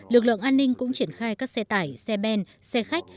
lực lượng an ninh cũng triển khai các xe tải xe ben xe khách